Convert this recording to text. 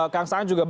kang saan juga